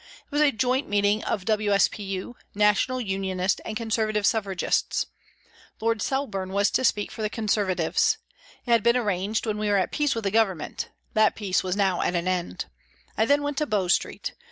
It was a joint meeting of W.S.P.U., National Unionist and Conservative Suffragists ; Lord Sel borne was to speak for the Conservatives. It had been arranged when we were at peace with the Government ; that peace was now at an end. I then went to Bow Street.